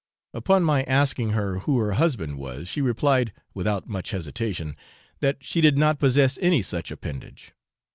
Upon my asking her who her husband was, she replied, without much hesitation, that she did not possess any such appendage.